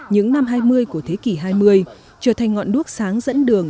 những năm hai mươi của thế kỷ hai mươi trở thành ngọn đuốc sáng dẫn đường